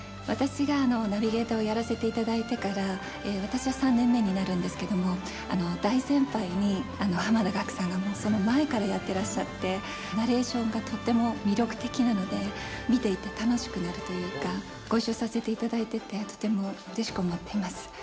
私がナビゲーターをやらせていただいてから私は３年目になるんですけども大先輩に、濱田岳さんがその前からやってらっしゃってナレーションがとても魅力的なので見ていて楽しくなるというかご一緒させていただいててとてもうれしく思っています。